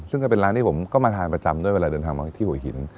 ซึ่งก็เป็นร้านที่ผมก็มาทานประจำด้วยเวลาเดินทางมาที่หัวหิน